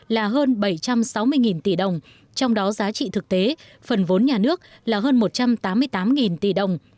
là hơn bảy trăm sáu mươi tỷ đồng trong đó giá trị thực tế phần vốn nhà nước là hơn một trăm tám mươi tám tỷ đồng